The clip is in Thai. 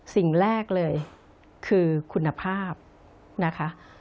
สิ่งแรกเลยคือคุณภาพนะคะ